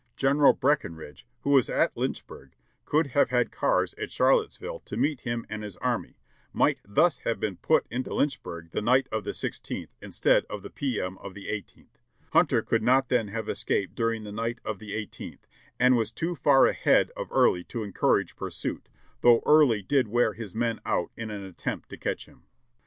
General Breckenridge, who was at Lynchburg, could have had cars at Charlottesville to meet him and his army might thus have been put into Lynchburg the night of the i6th in stead of the p. m. of the i8th. Hunter could not then have escaped during the night of the i8th, and was too far ahead of Early to en courage pursuit, though Early did wear his men out in an attempt to catch him.